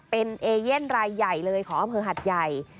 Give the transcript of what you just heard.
เป็นเอเย่นรายใหญ่เลยของอำเภอหัดใหญ่